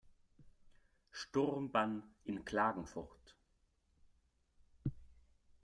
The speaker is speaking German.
Sturmbann in Klagenfurt.